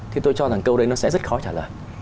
thì tôi cho rằng câu đấy nó sẽ rất khó trả lời